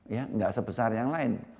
ya nggak sebesar yang lain